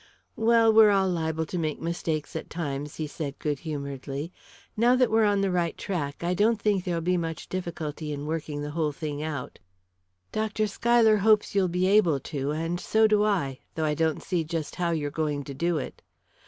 "Well, we're all liable to make mistakes at times," he said good humouredly. "Now that we're on the right track, I don't think there'll be much difficulty in working the whole thing out." "Dr. Schuyler hopes you'll be able to, and so do I though I don't see just how you're going to do it."